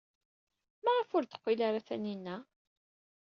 Maɣef ur d-teqqil ara Taninna?